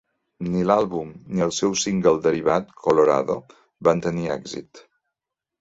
Ni l'àlbum ni el seu single derivat "Colorado" van tenir èxit.